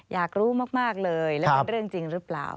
อยากรู้มากเลยแล้วเป็นเรื่องจริงหรือเปล่า